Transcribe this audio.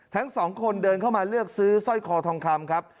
ทั้งสองคนเดินเข้ามาเลือกซื้อสร้อยคอทองคำครับ